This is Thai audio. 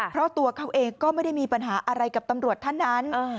เพราะตัวเขาเองก็ไม่ได้มีปัญหาอะไรกับตำรวจท่านนั้น